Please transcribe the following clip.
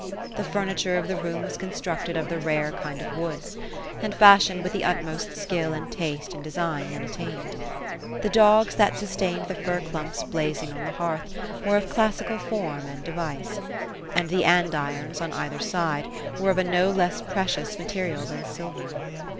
The furniture of the room was constructed of the rarer kind of woods, and fashioned with the utmost skill and taste in design then attained. The dogs that sustained the fir clumps blazing on the hearth, were of classical form and device ; and the andirons on either side, were of a no less precious material than silver.